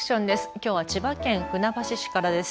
きょうは千葉県船橋市からです。